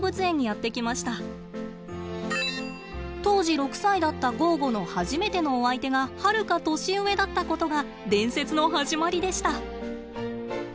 当時６歳だったゴーゴの初めてのお相手がはるか年上だったことが伝説の始まりでした。